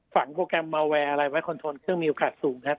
โปรแกรมมาแวร์อะไรไว้คนทนเครื่องมีโอกาสสูงนะครับ